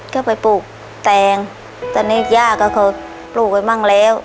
ก็ไปปลูกแตงตอนนี้ย่าก็คือปลูกไปบ้างแล้ว